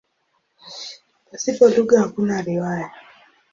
Pasipo lugha hakuna riwaya.